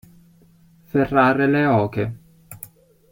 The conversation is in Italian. Ferrare le oche.